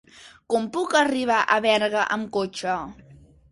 Com puc arribar a Berga amb cotxe?